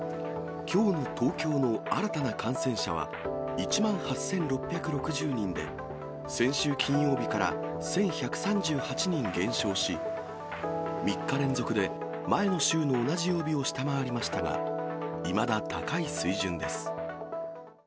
きょうの東京の新たな感染者は１万８６６０人で、先週金曜日から１１３８人減少し、３日連続で前の週の同じ曜日を下回りましたが、いまだ高い水準です。